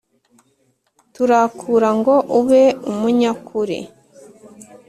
turakura ngo ube umunyakuri